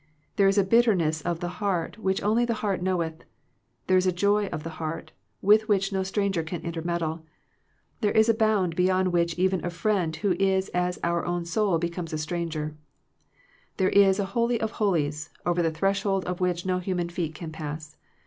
There is a bitter ness of the heart which only the heart knoweth ; there is a joy of the heart with which no stranger can intermeddle; there is a bound beyond which even a friend who is as our own soul becomes a stran ger. There is a Holy of Holies, over the threshold of which no human feet can pass.